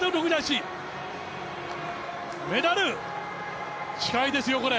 メダル近いですよ、これ！